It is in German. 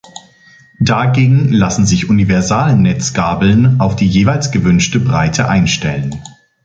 Dagegen lassen sich Universal-Netzgabeln auf die jeweils gewünschte Breite einstellen.